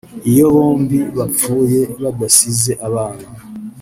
Iyo bombi bapfuye badasize abana